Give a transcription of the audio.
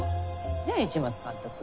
ねえ市松監督。